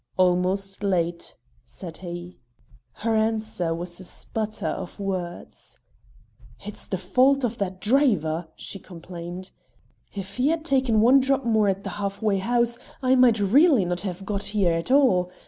"Almost late," said he. Her answer was a sputter of words. "It's the fault of that driver," she complained. "If he had taken one drop more at the half way house, I might really not have got here at all.